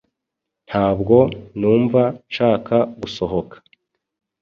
Ntabwo numva nshaka gusohoka.